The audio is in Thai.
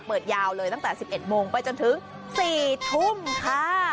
ยาวเลยตั้งแต่๑๑โมงไปจนถึง๔ทุ่มค่ะ